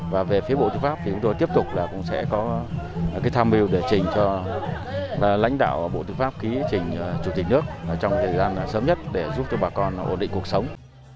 và về phía bộ tư pháp thì chúng tôi tiếp tục là cũng sẽ có tham mưu để trình cho lãnh đạo bộ tư pháp ký trình chủ tịch nước trong thời gian sớm nhất để giúp cho bà con ổn định cuộc sống